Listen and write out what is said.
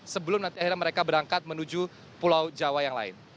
sebelum nanti akhirnya mereka berangkat menuju pulau jawa yang lain